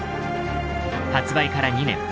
発売から２年。